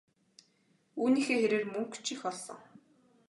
Үүнийхээ хэрээр мөнгө ч их олсон.